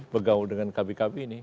bergaul dengan kami kami ini